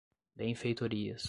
benfeitorias